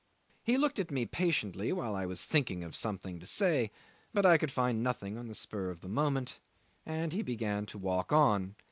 He looked at me patiently while I was thinking of something to say, but I could find nothing on the spur of the moment, and he began to walk on.